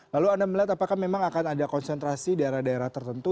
lalu anda melihat apakah memang akan ada konsentrasi daerah daerah tertentu